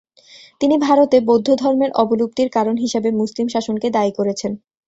তিনি ভারতে বৌদ্ধধর্মের অবলুপ্তির কারণ হিসেবে মুসলিম শাসনকে দায়ী করেছেন।